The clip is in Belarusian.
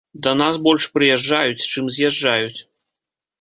Да нас больш прыязджаюць, чым з'язджаюць.